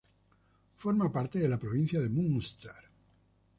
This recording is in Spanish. Forma parte de la provincia de Munster.